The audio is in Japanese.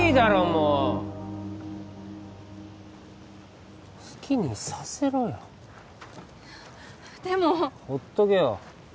もう好きにさせろよでもほっとけよ